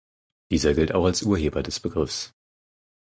Dieser gilt auch als Urheber des Begriffs.